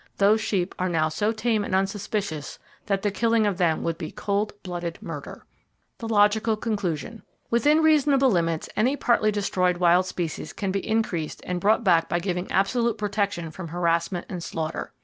Those sheep are now so tame and unsuspicious that the killing of them would be cold blooded murder! The Logical Conclusion. —Within reasonable limits, any partly destroyed wild species can be increased and brought back by giving absolute protection from harassment and slaughter.